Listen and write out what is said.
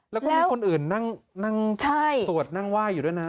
แล้วก็มีคนอื่นนั่งสวดนั่งไหว้อยู่ด้วยนะ